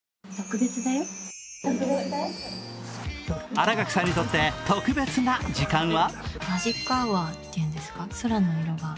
新垣さんにとって特別な時間は？